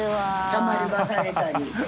たまり場にされた